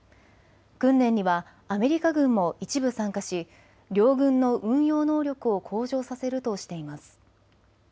訓練にはアメリカ軍も一部参加し両軍の運用能力を向上させるとしています。